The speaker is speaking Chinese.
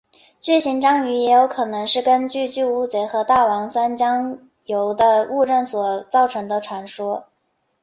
巨型章鱼也有可能是根据巨乌贼和大王酸浆鱿的误认所造成的传说。